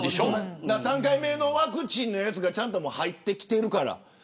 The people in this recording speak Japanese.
３回目のワクチンのやつがちゃんと入ってきてるから。